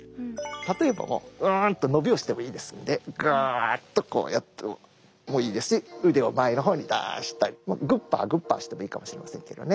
例えばもううんと伸びをしてもいいですのでぐっとこうやってもいいですし腕を前の方に出したりグーパーグーパーしてもいいかもしれませんけどね。